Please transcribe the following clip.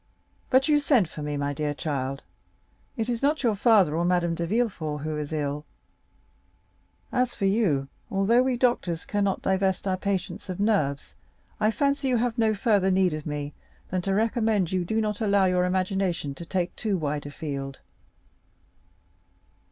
But you sent for me, my dear child. It is not your father or Madame de Villefort who is ill. As for you, although we doctors cannot divest our patients of nerves, I fancy you have no further need of me than to recommend you not to allow your imagination to take too wide a field."